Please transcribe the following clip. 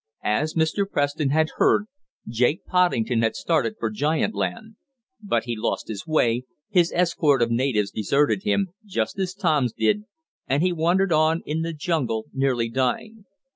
As Mr. Preston had heard, Jake Poddington had started for giant land. But he lost his way, his escort of natives deserted him, just as Tom's did, and he wandered on in the jungle, nearly dying.